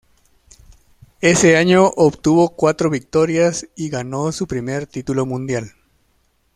Ese año obtuvo cuatro victorias y ganó su primer título mundial.